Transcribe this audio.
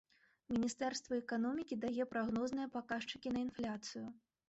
Міністэрства эканомікі дае прагнозныя паказчыкі на інфляцыю.